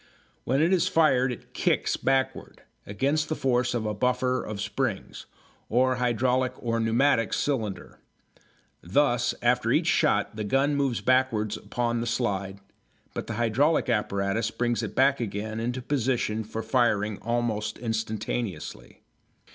When it is fired it "kicks" backwards, against the force of a buffer of springs, or a hydraulic or pneumatic cylinder. Thus after each shot the gun moves backwards upon the slide, but the hydraulic apparatus brings it back again into position for firing almost instantaneously.